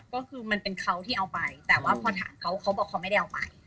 ก็คือมันเป็นเขาที่เอาไปแต่ว่าพอถามเขาเขาบอกเขาไม่ได้เอาไป